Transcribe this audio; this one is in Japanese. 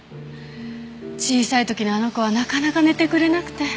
小さい時のあの子はなかなか寝てくれなくて。